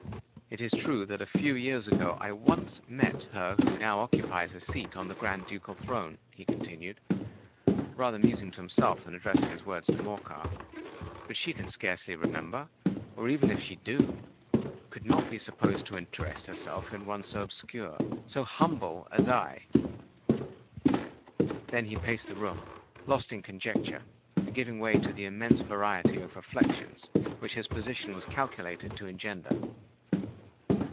It is true that a few years ago I once met her who now occupies a seat on the Grand ducal throne," he continued, rather musing to himself, than addressing his words to Morcar; "but she can scarcely remember—or, even if she do—could not be supposed to interest herself in one so obscure, so humble as I!" Then he paced the room—lost in conjecture, and giving way to the immense variety of reflections which his position was calculated to engender.